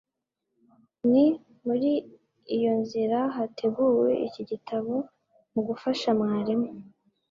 ni muri iyo nzira hateguwe iki gitabo mugufasha mwarimu